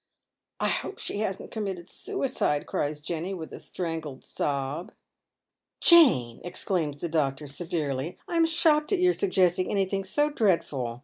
"I hope she hasn't committed suicide," cries Jenny, with a strangled sob. " Jane !" exclaims the doctor, severely, " I am shocked at your suggesting anything so dreadful.